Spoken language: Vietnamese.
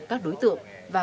các đối tượng